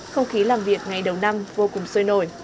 không khí làm việc ngày đầu năm vô cùng sôi nổi